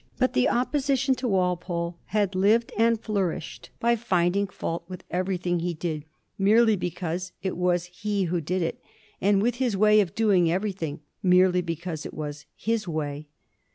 But the op position to Walpole had lived and flourished by finding 1'743. AN IRREPARABLE MISTAKE. 243 fault with everything he did merely because it was he who did it, and with his way of doing everything merely because it was his way.